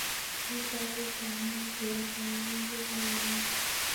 Kimuta karit ab maat yekiawendii Kabarnet